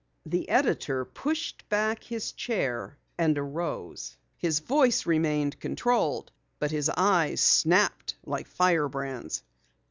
The editor pushed back his chair and arose. His voice remained controlled but his eyes snapped like fire brands.